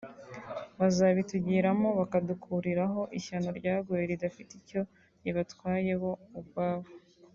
bazabitugiramo bakadukuriraho ishyano ryaguye ridafite icyo ribatwaye bo ubwabo